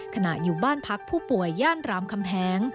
อยู่บ้านพักผู้ป่วยย่านรามคำแหง